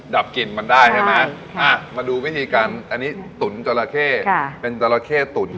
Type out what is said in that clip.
ดับกลิ่นมันได้ใช่ไหมมาดูวิธีการอันนี้ตุ๋นจราเข้เป็นจราเข้ตุ๋น